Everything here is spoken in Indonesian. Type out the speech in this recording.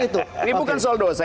ini bukan soal dosa